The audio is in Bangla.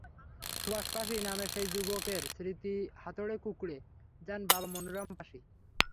সুভাষ পাসি নামের সেই যুবকের স্মৃতি হাতড়ে কুঁকড়ে যান বাবা মনুরাম পাসি।